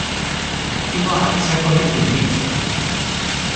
ହାକିମ 'ଆଚ୍ଛା' କହି ତୁନି ହେଲେ ।